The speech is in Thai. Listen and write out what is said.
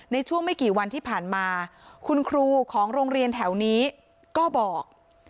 ในช่วงไม่กี่วันที่ผ่านมาคุณครูของโรงเรียนแถวนี้ก็บอก